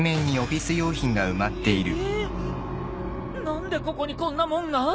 何でここにこんなもんが。